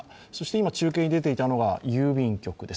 今、中継に出ていたのが郵便局です